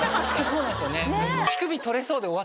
そうなんですよね。